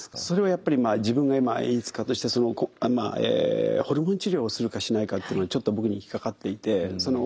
それはやっぱり自分が演出家としてホルモン治療をするかしないかっていうのがちょっと僕に引っ掛かっていて。